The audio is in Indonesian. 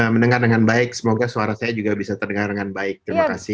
mendengar dengan baik semoga suara saya juga bisa terdengar dengan baik terima kasih